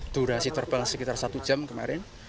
durasi terbang sekitar satu jam kemarin